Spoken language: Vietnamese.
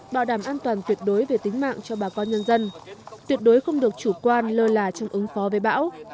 bảo đảm an toàn tuyệt đối về tính mạng cho bà con nhân dân tuyệt đối không được chủ quan lơ là trong ứng phó với bão